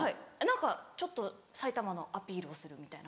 何かちょっと埼玉のアピールをするみたいな。